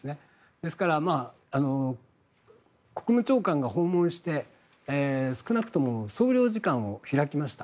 ですから、国務長官が訪問して少なくとも総領事館を開きました。